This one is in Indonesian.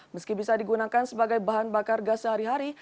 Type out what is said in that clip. meski bisa digunakan sebagai bahan bakar gas sehari hari